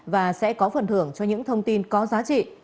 và sẽ có phần thưởng cho những thông tin có giá trị